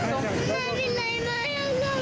ไม่อ่ะท่าน